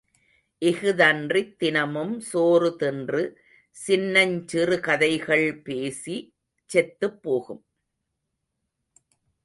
இஃதன்றித் தினமும் சோறு தின்று, சின்னஞ் சிறுகதைகள் பேசிச் செத்துப்போகும்.